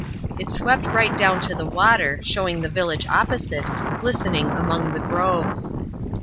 It swept right down to the water, showing the village opposite, glistening among the groves.